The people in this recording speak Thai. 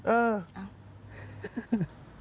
เออ